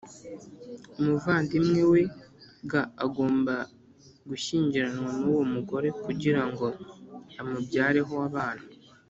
Umuvandimwe we g agomba gushyingiranwa n uwo mugore kugira ngo amubyareho abana